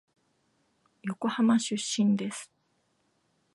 横浜出身です。